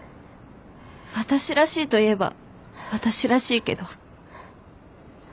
私らしいといえば私らしいけど。